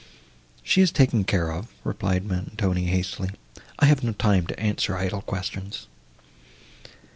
"She is taken care of," replied Montoni hastily, "I have no time to answer idle questions."